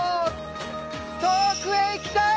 遠くへ行きたい！